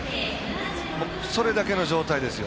それだけの状態ですよ。